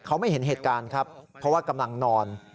เขาไม่เห็นเหตุการณ์ครับเพราะว่ากำลังนอน